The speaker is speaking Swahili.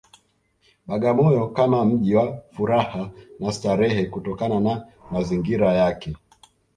Bagamoyo kama mji wa furaha na starehe kutokana na mazingira yake